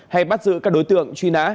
hay bắt giữ các đối tượng truy nã